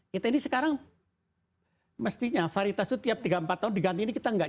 kita ini sekarang mestinya varitas itu tiap tiga empat tahun diganti ini kita tidak